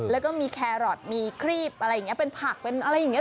แล้วก็มีแครอทมีครีบอะไรอย่างนี้เป็นผักเป็นอะไรอย่างนี้